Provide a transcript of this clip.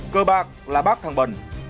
cơ bạc là bác thằng bần